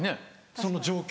その状況